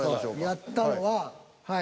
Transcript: やったのは。